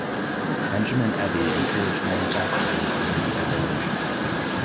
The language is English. Benjamin Eby encouraged manufacturers to move to the village.